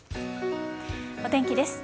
お天気です。